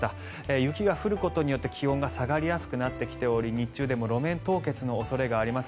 雪が降ることによって、気温が下がりやすくなってきており日中でも路面凍結の恐れがあります。